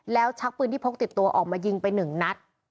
แล้วชักปืนที่พกติดตัวออกมายิงไปหนึ่งนัด